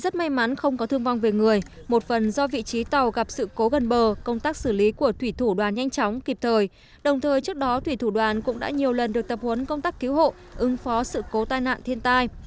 trong thời trước đó thủy thủ đoàn cũng đã nhiều lần được tập huấn công tác cứu hộ ứng phó sự cố tai nạn thiên tai